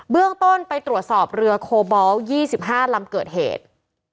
เรื่องต้นไปตรวจสอบเรือโคบอล๒๕ลำเกิดเหตุ